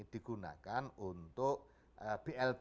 digunakan untuk blt